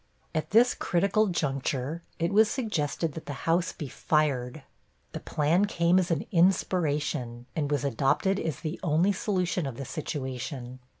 At this critical juncture it was suggested that the house be fired. The plan came as an inspiration, and was adopted as the only solution of the situation.